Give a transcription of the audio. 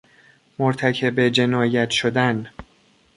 مرتکب جنایت شدن